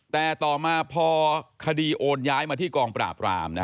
แต่ต่อมาพอคดีโอนย้ายมาที่กองปราบราม